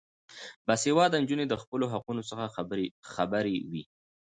باسواده نجونې د خپلو حقونو څخه خبرې وي.